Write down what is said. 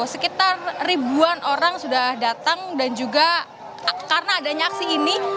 sekitar ribuan orang sudah datang dan juga karena adanya aksi ini